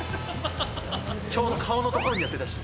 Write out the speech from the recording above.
ちょうど顔のところでやってたし。